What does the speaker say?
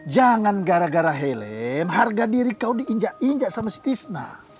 jangan gara gara helm harga diri kau diinjak injak sama si tisna